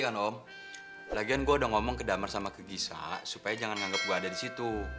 kan om lagian gua udah ngomong ke damar sama ke giza supaya jangan anggap gua ada di situ